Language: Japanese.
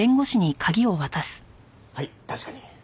はい確かに。